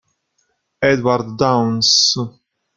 Edward Downes